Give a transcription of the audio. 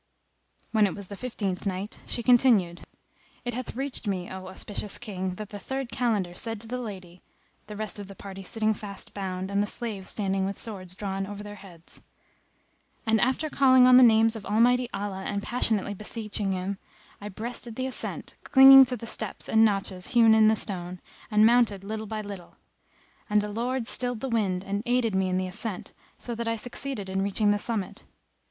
When it was the Fifteenth Night, She continued, It hath reached me, O auspicious King, that the third Kalandar said to the lady (the rest of the party sitting fast bound and the slaves standing with swords drawn over their heads):—And after calling on the name of Almighty Allah and passionately beseeching Him, I breasted the ascent, clinging to the steps and notches hewn in the stone, and mounted little by little. And the Lord stilled the wind and aided me in the ascent, so that I succeeded in reaching the summit.